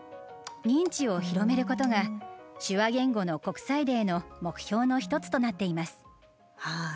認知を広めることが「手話言語の国際デー」の目標の１つとなっています。